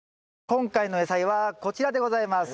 今回の野菜はこちらでございます。